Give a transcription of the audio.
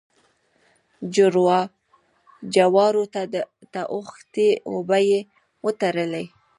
جوارو ته اوښتې اوبه يې وتړلې.